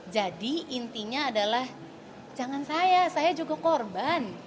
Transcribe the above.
jadi intinya adalah jangan saya saya juga korban